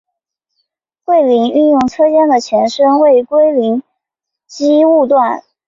桂林运用车间的前身为桂林机务段。